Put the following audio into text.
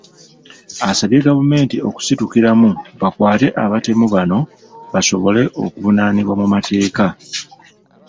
Asabye gavumenti okusitukiramu bakwate abatemu bano basobole okuvunaanibwa mu mateeka.